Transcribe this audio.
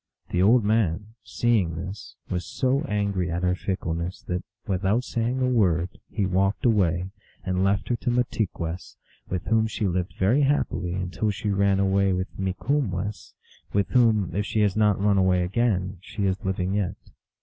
The old man, seeing this, was so angry at her fickleness that, without saying a word, he walked away, and left her to Mahtigwess, with whom she lived very happily until she ran away with Mikumwess ; with whom, if she has not run away again, she is living yet.